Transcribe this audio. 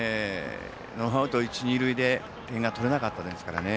ノーアウト、一、二塁で点が取れなかったですからね。